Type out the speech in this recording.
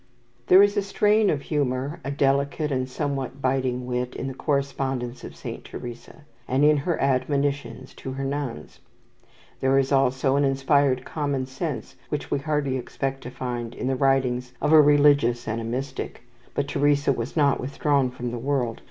There is a strain of humour, a delicate and somewhat biting wit in the correspondence of Saint Teresa, and in her admonitions to her nuns. There is also an inspired common sense which we hardly expect to find in the writings of a religious and a mystic. But Teresa was not withdrawn from the world.